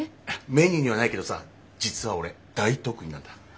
メニューにはないけどさ実は俺大得意なんだ。